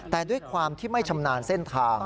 แต่ด้วยความที่ไม่ชำนาญเส้นทาง